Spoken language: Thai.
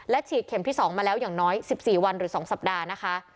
ฉีดเข็มที่๒มาแล้วอย่างน้อย๑๔วันหรือ๒สัปดาห์นะคะ